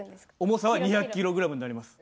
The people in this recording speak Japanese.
重さは２００ｋｇになります。